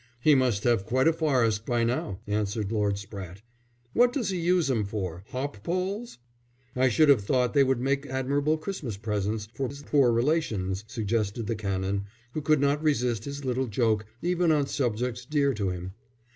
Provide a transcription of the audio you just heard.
"He must have quite a forest by now," answered Lord Spratte. "What does he use 'em for hop poles?" "I should have thought they would make admirable Christmas presents for his poor relations," suggested the Canon, who could not resist his little joke even on subjects dear to him.